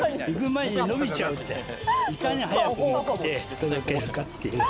いかに早く持って届けるかっていう。